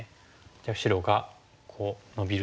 じゃあ白がこうノビると。